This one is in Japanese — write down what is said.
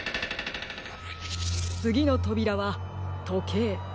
つぎのとびらはとけいりんご